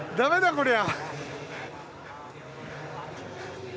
こりゃ。